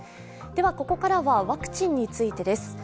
ここからはワクチンについてです。